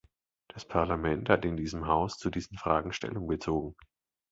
Das Parlament hat in diesem Haus zu diesen Fragen Stellung bezogen.